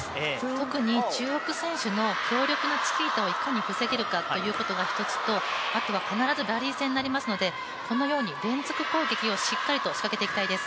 特に中国選手の強力なチキータをいかに防げるかということが１つとあとは必ずラリー戦になりますのでこのように連続攻撃をしっかりと仕掛けていきたいです。